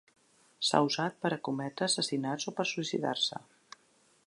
S'ha usat per a cometre assassinats o per suïcidar-se.